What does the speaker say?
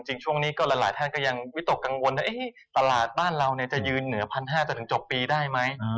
ช่วงนี้ก็หลายท่านก็ยังวิตกกังวลนะตลาดบ้านเราจะยืนเหนือ๑๕๐๐จนถึงจบปีได้ไหม